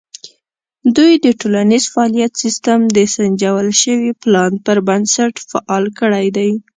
دوی د ټولنیز فعالیت سیستم د سنجول شوي پلان پر بنسټ فعال کړی دی.